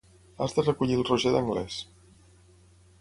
Has de recollir el Roger d'anglès.